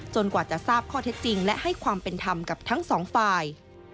กว่าจะทราบข้อเท็จจริงและให้ความเป็นธรรมกับทั้งสองฝ่าย